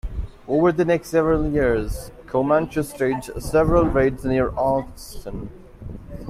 Over the next several years, Comanches staged several raids near Austin.